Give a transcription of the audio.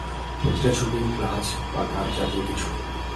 প্রতিটি ছবিই গ্লাছ বা গাছজাতীয় কিছুর।